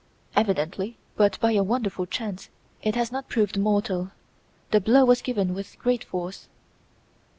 "Evidently; but, by a wonderful chance, it has not proved mortal. The blow was given with great force."